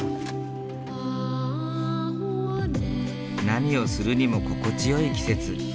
何をするにも心地よい季節。